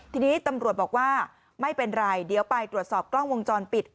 ทีนี้ตำรวจบอกว่าไม่เป็นไรเดี๋ยวไปตรวจสอบกล้องวงจรปิด